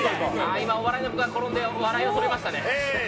今、お笑いの部が転んで笑いをとりましたね。